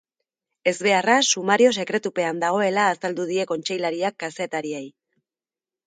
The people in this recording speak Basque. Ezbeharra sumario-sekretupean dagoela azaldu die kontseilariak kazetariei.